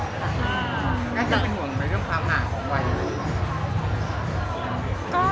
ก็จะเป็นห่วงในเรื่องความหนาของวัย